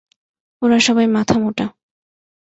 ওরা সবাই মাথা মোটা।